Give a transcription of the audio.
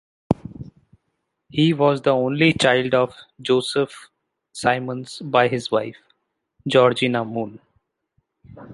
He was the only child of Joseph Symons by his wife, Georgina Moon.